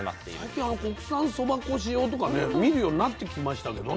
最近国産そば粉使用とかね見るようになってきましたけどね。